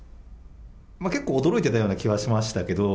結構、驚いてたような気はしましたけど。